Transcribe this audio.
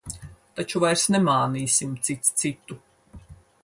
Taču vairs nemānīsim cits citu.